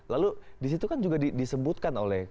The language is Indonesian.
lalu di situ kan juga disebutkan oleh